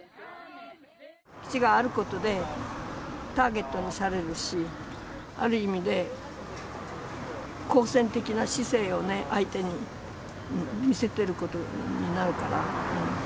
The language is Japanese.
基地があることでターゲットにされるし、ある意味で、好戦的な姿勢をね、相手に見せてることになるから。